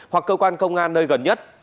hoặc cơ quan công an nơi gần nhất